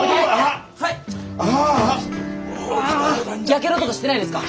やけどとかしてないですか？